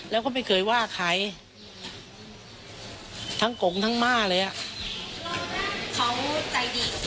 แล้วเขาไม่เคยว่าใครทั้งโกงทั้งมาเลยอ่ะ